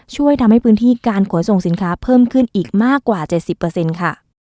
ช่วยทำให้พื้นที่การขนส่งสินค้าเพิ่มขึ้นอีกมากกว่า๗๐ค่ะ